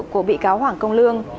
của bị cáo hoàng công lương